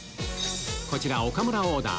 こちら岡村オーダー